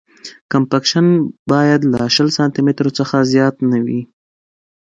کمپکشن باید له شل سانتي مترو څخه زیات نه وي